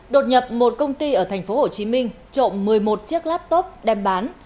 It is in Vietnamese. đột nhập một công ty ở thành phố hồ chí minh trộm một mươi một chiếc laptop đem bán